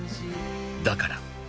だから